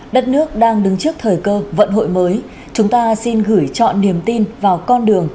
đất nước đang đứng trước thời cơ vận hội mới chúng ta xin gửi chọn niềm tin vào con đường